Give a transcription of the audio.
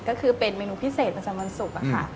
ก็คือเป็นเมนูพิเศษประจำวันศุกร์ค่ะ